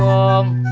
ya om isis